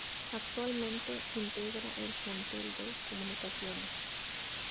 Actualmente integra el plantel de Comunicaciones.